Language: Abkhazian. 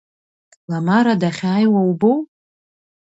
Ламара дахьааиуа убоу?